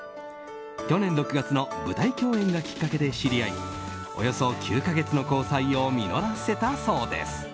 去年６月の舞台共演がきっかけで知り合いおよそ９か月の交際を実らせたそうです。